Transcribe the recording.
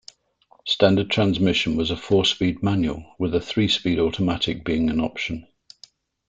Standard transmission was a four-speed manual, with a three-speed automatic being an option.